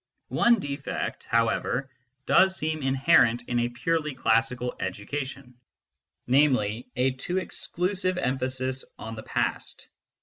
One defect, however, does seem inherent in a purely classical education namely, a too exclusive emphasis on the past.